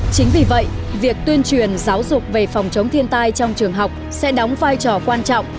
chính vì vậy việc tuyên truyền giáo dục về phòng chống thiên tai trong trường học sẽ đóng vai trò quan trọng